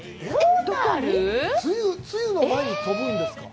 梅雨の前に飛ぶんですか？